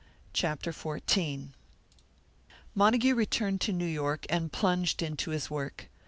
CHAPTER XIV Montague returned to New York and plunged into his work.